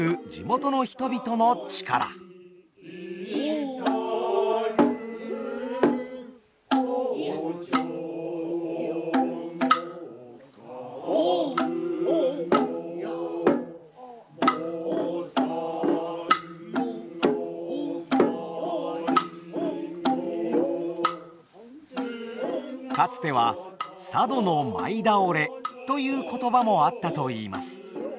胡蝶も歌舞の菩の舞のかつては「佐渡の舞倒れ」という言葉もあったといいます。